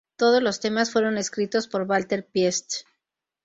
Todos los temas fueron escritos por Walter Pietsch.